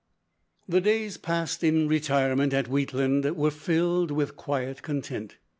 The days passed in retirement at Wheatland were filled with quiet content.